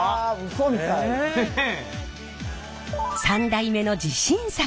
３代目の自信作！